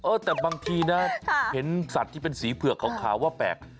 แต่บางทีนะเห็นสัตว์ที่เป็นสีเผือกขาวว่าแปลก